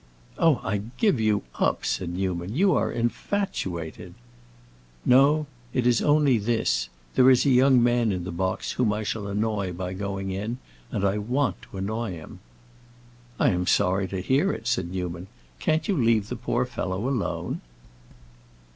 "Oh, I give you up," said Newman. "You are infatuated!" "No, it is only this. There is a young man in the box whom I shall annoy by going in, and I want to annoy him." "I am sorry to hear it," said Newman. "Can't you leave the poor fellow alone?"